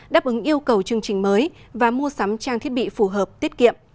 đáp ứng yêu cầu chương trình mới và mua sắm trang thiết bị phù hợp tiết kiệm